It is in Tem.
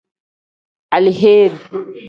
Aleheeri.